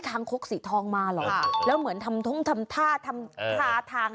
ข้างคกสีทองมาหรอกแล้วเหมือนทำท่าทางอะไรแบบแปลก